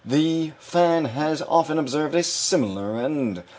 The fan has often subserved a similar end.